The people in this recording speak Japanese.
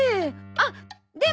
あっでも。